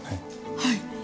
はい。